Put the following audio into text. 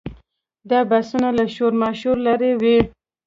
دا بحثونه له شورماشوره لرې وي.